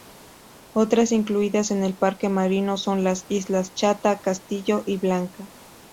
Otras incluidas en el parque marino son las islas Chata, Castillo y Blanca.